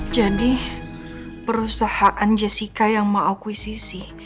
jadi perusahaan jessica yang mau akuisisi